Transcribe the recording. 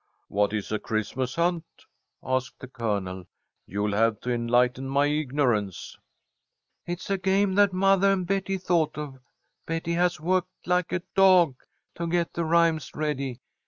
"What is a Christmas hunt?" asked the Colonel. "You'll have to enlighten my ignorance." "It's a game that mothah and Betty thought of. Betty has worked like a dawg to get the rhymes ready.